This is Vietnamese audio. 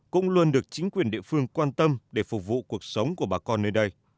cũng luôn được chính quyền địa phương quan tâm để phục vụ cuộc sống của bà con nơi đây